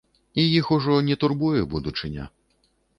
І іх ужо не турбуе будучыня.